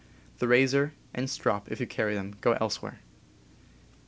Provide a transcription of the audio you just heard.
The razor and strop, if you carry them, go elsewhere.